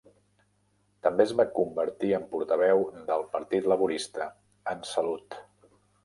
També es va convertir en portaveu del Partit Laborista en salut.